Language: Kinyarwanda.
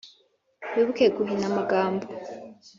Wibuke guhina amagambo!